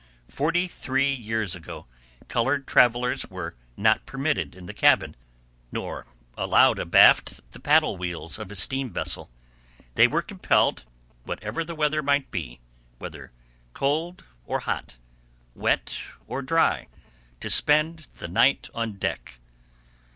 Forty three years ago colored travelers were not permitted in the cabin, nor allowed abaft the paddle wheels of a steam vessel. They were compelled, whatever the weather might be,—whether cold or hot, wet or dry,—to spend the night on deck.